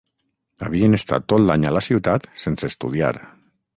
Havien estat tot l’any a la ciutat sense estudiar.